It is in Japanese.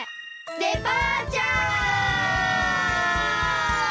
デパーチャー！